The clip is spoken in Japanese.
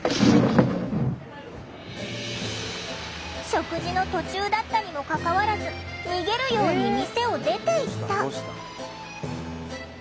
食事の途中だったにもかかわらず逃げるように店を出ていった。